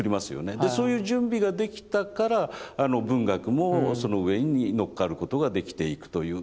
そういう準備ができたから文学もその上にのっかることができていくという。